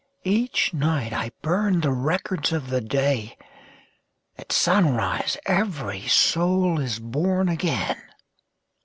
Each night I burn the records of the day, — At sunrise every soul is born again